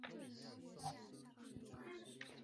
俄勒冈城级是美国海军的一个重巡洋舰舰级。